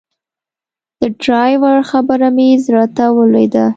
د ډرایور خبره مې زړه ته ولوېده.